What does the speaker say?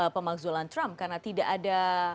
pemakzulan trump karena tidak ada